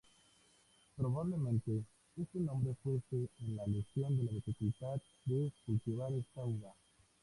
Probablemente, este nombre fuese en alusión a la dificultad de cultivar esta uva.